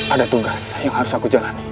ada tugas yang harus aku jalanin